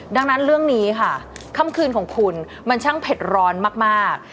ดังนั้นเรื่องนี้ค่ะค่ำคืนของคุณมันช่างเผ็ดร้อนมาก